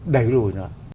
đẩy lùi nó